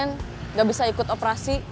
nggak bisa ikut operasi